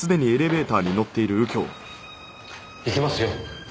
行きますよ。